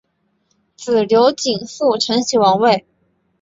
子刘景素承袭王位。